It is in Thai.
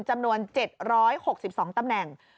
จำนวน๗๖๒ตำแหน่ง